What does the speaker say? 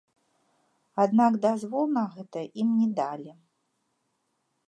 Аднак дазвол на гэта ім не далі.